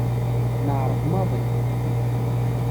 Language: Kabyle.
Neεreq maḍi.